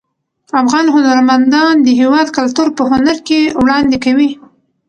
افغان هنرمندان د هیواد کلتور په هنر کې وړاندې کوي.